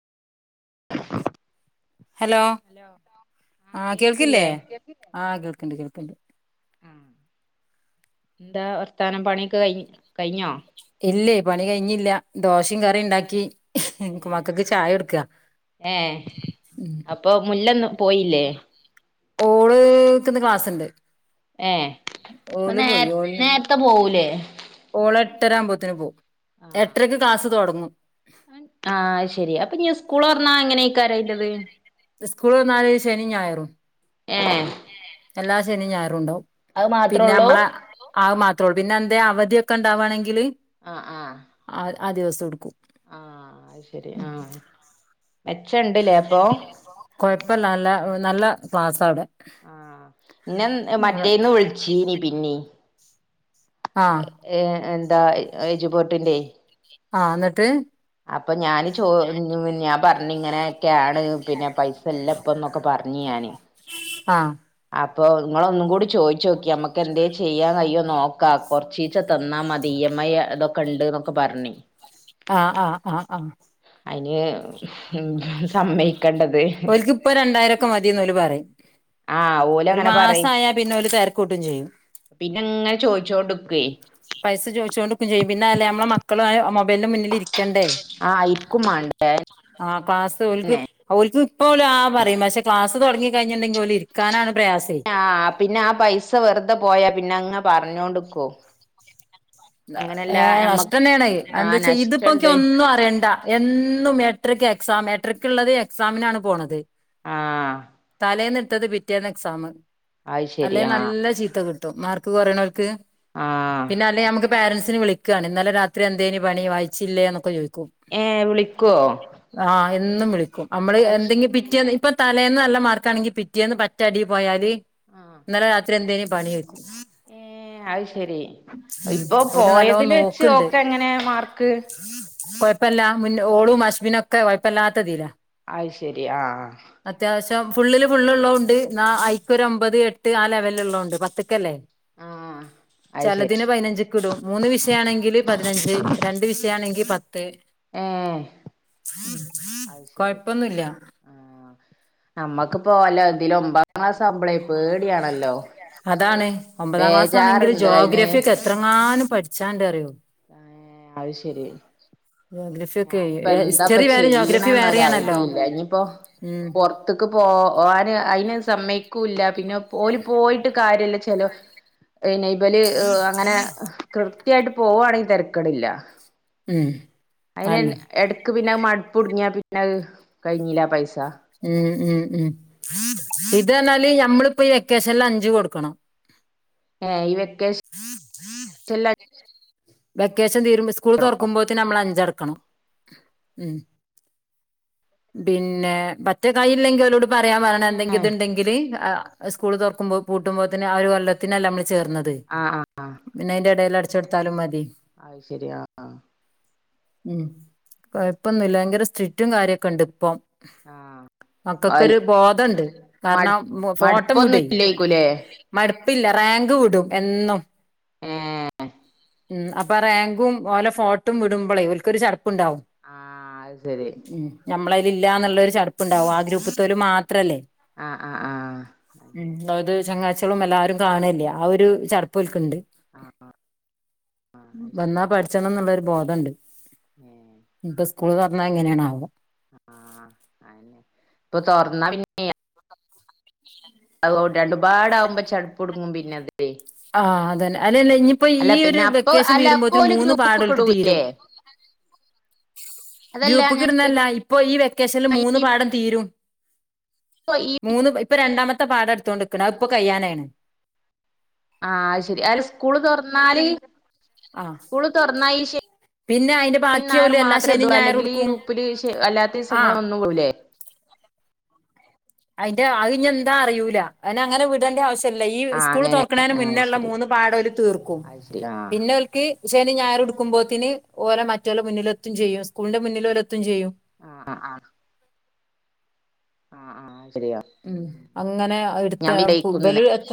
[inaudible] hello ആ കേൾക്കില്ലേ ആ കേൾക്കണ്ട് കേൾക്കണ്ട് ആ എന്താ വർത്താനം പണിയൊക്കെ കയിഞ്ഞോ ഇല്ലേ പണി കഴിഞ്ഞില്ല ദോശയും കറിിയ ഉണ്ടാക്കി എനിക്ക് ഏ മക്കൾക്ക് ചായ കൊടുക്കുക ഏ ഉം അപ്പൊ മുല്ലന്നു പോയില ഓള്ക്കന്ന് ക്ലാസ്സ്ുണ്ട് ഏ അപ്പൊ നേ ഓള് നേരത്തെ പോകൂലേ എട്ടരാൻമ്പോത്തിന് പോ എത്രയ്ക്ക് കാസ് തോടക്കും ഉം ആഹ് ശെരി അപ്പൊ ഞാൻ സ്കൂൾ പറഞ്ഞാ എങ്ങനെ കാരായിത് സ്കൂൾ വന്നാല് ശനി ഞായറും ഏഹ എല്ലാ ശനിയുംഞാറുണ്ടാവും പിന്നെ ഉള്ളൂ നമ്മള ആ മാത്ര ോ പിന്നെ എന്താ അവധിയൊക്കെ ഉണ്ടാവാണെങ്കില് ആഹ ആഹ ആ ആ ദിവസം ഉടുക്കും ആ അത് ശരി ആ മെച്ചണ്ട്ല്ലേ അപ്പൊ കൊഴപ്പല്ല ല്ലേ നല്ല ക്ലാസ്സാ അവിടെ ആ ഇന്ന് മറ്റേന്ന് വിളിച്ചീനി പിന്നീ ആഹ് ഏ എന്താ യജുബോർട്ടിന്റെറെ ആ എന്നിട്ട് അപ്പൊ ഞാന് ചോ ഞാൻ പറഞ്ഞ് ഇങ്ങനെയൊക്കെയാണ് പിന്നെ പൈസ എല്ല ഇപ്പന്നൊക്കെ പറഞ്ഞഞ് ഞാന് ആഹ് ആപ്പ് അപ്പൊ നിങ്ങള് ഒന്നും കൂടി ചോയിച്ച് നോക്കി നമ്മക്ക് എന്തേല് ചെയ്യാൻ കയ്യൊ നോക്ക കൊറച്ചീച്ച തന്നാ മതി ഈ എം ഐ അതൊക്കെ ഉണ്ട് എന്നൊക്കെ പറഞ്ഞി ആ ആ ആ ആ അയിന് ഉം സമ്മയ് ഓൽക്ക് ഇപ്പോ രണ്ടായിരൊക്കെ മതീന്ന് ഓല് പറയും ആ ഓല് ഒരു അങ്ങനെ പറയും മാസായാ പിന്നെ ഓല് തെരക്കൂട്ടും ചെയ്യും പിന്നെങ്ങനെ ചോയിച്ചോണ്ട്ക്കൃ പൈസ ചോദിച്ചോണ്ട് ക്ക് ചെയ്യും പിന്നെ അല്ലെ നമ്മളെ മക്കളായ മൊബൈലിൻറ്റെ മുന്നിൽലിരി ക്ക്ണ്ടേ ആഹ് ആയിരിക്കും മാണ്ടേ ആ ക്ലാസ്സ് ഓൽക്ക് ഓൽക്ക് ഇപ്പം ആ പറയും പക്ഷെ ക്ലാസ്സ് തുടങ്ങി കഴിഞ്ഞുണ്ടെങ്കിൽ ഓല് ഇരിക്കാനാണ് പ്രയാസേ ആ പിന്നെ ആ പൈസ വെറുതെ പോയാ പിന്നെ അങ്ങ് പറഞ്ഞോണ്ട്ക്കും അങ്ങനെയല്ല ഏ നഷ്ടം ഞമ്മക്ക് തന്നെണ് ആഹ് എന്ത്ച്ചാ ഇതിപ്പോക്ക് നഷ്ടണ്ട് ഒന്നും അറിയണ്ട എന്നും എട്ടരക്ക് എക്സാം എട്ടരക്കുള്ളത് എക്സാമിനാണ് പോണത് ആ തലേന്നെടുത്തത് പിറ്റേന്ന് എക്സാമ് അത് ശരി അല്ലെ ആഹ് നല്ല ചീത്ത കി ട്ടോ മാർക്ക് കുറയണോർക്ക് ആ [unintelligible] മിസ്സിനെ വിളിക്കാണ് ഇന്നലെ രാത്രി എന്തേന് പണി വായിച്ചില്ലേ എന്നൊക്കെ ചോയിച്ചു ഏ വിളിക്കുവോ ആഹ് എന്നും വിളി നമ്മള് എന്തെങ്കി പിറ്റേന്ന് ഇപ്പ തലേന്ന് നല്ല മാർക്കാണെങ്കി പിറ്റേന്ന് പറ്റ അടീ പോയാല് ആഹ് ഇന്നലെ രാത്രി എന്തേനി പണി ചോയ്ക്കും ഏ അയ് ശെരി ഉം ഇപ്പൊ ഓല് നല്ലോം പോയതിലെച്ച് ഓക്ക് എങ്ങനെയാ മാർക്ക് കൊഴപ്പമില്ല ഓളും അശ്ബിനൊക്കെ കുഴപ്പല്ലാത്തതിലാ അത് ശെരി ആ ഫുള്ളിൽ ഫുള്ള് ഉള്ളതു കൊണ്ട് ഐക്ക് ഒരു ഒമ്പത് എട്ട് ആ ലെവലില ഉള്ളതുണ്ട് പത്തിക്കല്ലേ ആഹ് അത് ശരി ചെലദിന് പൈനഞ്ച് മൂന്ന് വിഷയം ആണെങ്കില് പതിനഞ്ച് രണ്ട് വിഷ ആണങ്കി പ ഏ അത് ശരി കൊഴപ്പൊന്നുല്ല ആ നമ്മക്കിപ്പോ [unintelligible] അയില് ഒമ്പതാം ക്ലാസാകുമ്പളെ പേടിയാണല്ലോ അതാണ് ഒമ്പതാം ക്ലാസ് ആണെങ്കിൽ ബേജാറുണ്ട് അയിന് ജോഗ്രഫി ഒക്കെ എത്രങ്ങാനും പഠി ചാണ്ടെറിയോ ആ അത് ശെരി ജോഗ്രഫി ഒക്കെ ഞാനിപ്പോ എന്താപ്പ ഹിസ്റ്ററി വേറെ ചെയ്യണ് ജോഗ്രഫി ഒര് ഐഡിയ വേറെയാണല്ലോ ഇല്ല ഇനിയിപ്പോ ഉം പുറത്തക്ക് പോകാന് ആയി സമ്മയക്കൂല്ല പിന്നെ ഓല് പോയിട്ട് കാര്യല്ലച്ചാലോ ഇബല് അങ്ങനെ കൃത്യായിട്ട് പോകുകവാണെങ്കിൽ തര [unintelligible] ഉം അതിനെ അന്നെ എടക്ക് പിന്നെ മ... പ്പ്‌ തുടുങ്ങിയ പിന്നത് കഴിഞ്ഞിലെ ആ പൈസ ഉം ഉം ഉം ഇത് ഞാല് ഞമ്മള് ഇ...... ഇപ്പൊ ഇ വാക്കേഷനിൽ അഞ്ച് കൊടുക്കണം ആ ഈ വെ [unintelligible] വെക്കേഷ ഷൻ തീരുമ്പോ സ്കൂൾ തുറക്കുമ്പോത്തിനു നമ്മള് അഞ്ചടക്ക ക്കണം പിന്നെ മറ്റേ കായില്ലെങ്കിൽ ഓലോഡ് പറയാൻ പറണം എന്തെങ്കിൽ ഇതുണ്ടെങ്കില് അ സ്കൂള് തുറക്കുമ്പോ പൂട്ടുമ്പോത്തേനും ഒരു വല്ലത്തിനല്ല നമ്മള് ചേർന്നത് ആ ആ പിന്നെ അയിന്റെ എടയില് അടു വച്ചെടുത്താലും മതി അത് ശരിയാ ആ ആ ഉം കൊഴപ്പൊന്നുല്ല ഭയങ്കര സ്ട്രിറ്റും കാര്യൊക്കെ ഉണ്ട് ഇപ്പൊ ആ ആ മക്കൊക്കെ ഒരു ബോധണ്ട് മടു കാരണം ഫോട്ടം മടുപ്പൊന്നും വിടുയ് ഇല്ലേക്കൂലേ മട പ്പില്ല റാങ്ക് വിടും എന്നും ഏ ഉം അപ്പൊ റാങ്കും ഓലെ ഫോട്ടും വിടുമ്പോളേ ഒക്കൊരു ചടപ്പ ണ്ടാവും ആ അത് ശരി നമ്മളയിലല്ലന്നുള്ള പ്ണ്ടാവും ആ ഗ്രൂപ്പ മാത്രം ത്രല്ലേ ആ ആ ആ ഉം അതായത് ചെങ്ങായ് ട്ട്യളും എല്ലാരും കാണല്ലേ ആ ഒരു ചട ഇപ്പോൽക്ക്ണ്ട് ആ അത് ശരി വന്നാ പഠിച്ചണംന്നുള്ളരു ബോധണ്ട് ഏ ഇപ്പ് സ്കൂൽ തൊർ ന്നാ എങ്ങനേണാവോ ആ അതന്നെ പ്പൊ തോർന്നാ പിന്നെ അത് രണ്ടുപാടെ ആകുമ്പോ ചട്പ്പ്ടുങ്ങും പിന്നെ അത് ആ അതന്നെഅല്ല ല്ല ഇനിയിപ്പോ അല്ല ഈ ഒരു പിന്നെ അപ്പൊ വെക്കേഷൻ അല്ല അപ്പൊ തീരുമ്പോത്തിന് ഓല് മൂന്ന് പാടം ഗ്രൂപ്പ്ക്ക് ഓല്ക്ക് തീരും ഇടൂല്ലേ അതല്ല ഞാൻ ഗ്രൂപ്പ്ക്കിടുന്നല്ല ചോദിക്കണെ ഇപ്പൊ ഈ വെക്കേഷൻല് മൂന്ന് പാടം ഇപ്പൊ തീരും ഈ മൂന്ന് ഇപ്പൊ രണ്ടാമത്തെ ത്തെ പാടാ എടുത്തൊണ്ട്ക്കണെ ഇപ്പൊ കയ്യാനായിക്ക്ണ് ആഹ്ശരി അല്ല സ്കൂള് തൊർന്നാല് ആഹ് സ്കൂള് തൊർന്നാ ഈ പിന്നെ അയിന്റെ ശനി ബാക്കി ഓല് ഞായറും എല്ലാ മാത്രം ശനിം ഇടുള്ളു ഞായറും അല്ലെങ്കില് ഈ ഇട്ക്കും ഗ്രൂപ്പില് അല്ലാത്ത ആഹ് ദിവസങ്ങളൊന്നും വിടൂല്ലേ അയ്ന്റെ അത് ഇനി എന്താ അറിയൂല അയ്നങ്ങനെ വിടണ്ട ആവശ്യ ല്ല ഈ ആഹ് സ്കൂൾ അങ്ങനെ തോർക്ക്ണേന ആഹ് അത് മുന്നേള്ള ശരി മൂന്ന് പാടോല് തീർക്കും അത് ശരി ആഹ് പിന്നെ ഓൽക്ക് ശനി ഞായറുംടുക്കുമ്പോതിന് ഓലെ മറ്റോലെ മുന്നിലെത്തും ചെയ്യും സ്കൂളിന്റെ മുന്നില് ഓലേത്തും ചെയ്യും ആ ആഹ് ആ ആ ഉം അങ്ങനെ അത്‌ ഇടുത്തെ പു വിചാരിക്കുന്നു ബല്